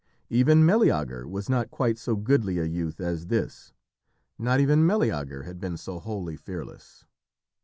Even Meleager was not quite so goodly a youth as this. Not even Meleager had been so wholly fearless.